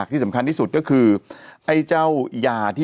มีสารตั้งต้นเนี่ยคือยาเคเนี่ยใช่ไหมคะ